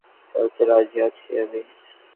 তোমার জন্য আমি যে কোনো কিছু করতে রাজী আছি।